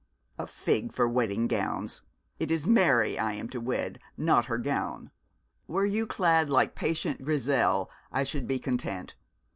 'A fig for wedding gowns! It is Mary I am to wed, not her gown. Were you clad like patient Grisel I should be content.